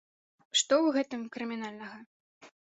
Што ў гэтым крымінальнага?